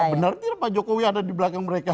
benar tidak pak jokowi ada di belakang mereka